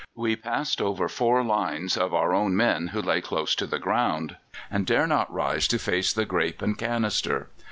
"We passed over four lines of our own men who lay close to the ground and dare not rise to face the grape and canister.